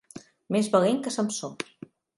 Més valent que Samsó.